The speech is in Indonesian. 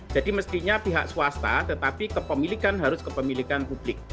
jadi mestinya pihak swasta tetapi kepemilikan harus kepemilikan publik